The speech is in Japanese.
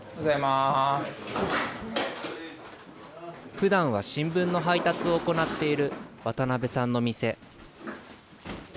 ふだんは新聞の配達を行っている渡辺さんの店。